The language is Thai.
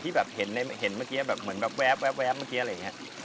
แบบเห็นเมื่อกี้แบบเหมือนแบบแว๊บเมื่อกี้อะไรอย่างนี้